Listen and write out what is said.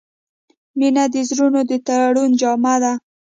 • مینه د زړونو د تړون جامه ده.